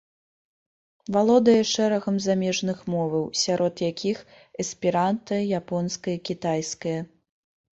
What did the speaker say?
Валодае шэрагам замежных моваў, сярод якіх эсперанта, японская і кітайская.